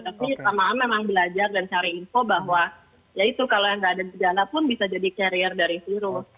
tapi samaan memang belajar dan cari info bahwa ya itu kalau nggak ada gejala pun bisa jadi carrier dari virus